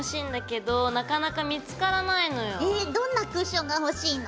どんなクッションが欲しいの？